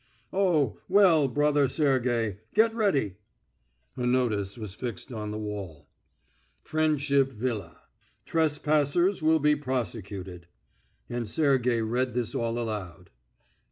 Oh, well, brother Sergey, get ready!" A notice was fixed on the wall: "Friendship Villa: Trespassers will be prosecuted," and Sergey read this out aloud.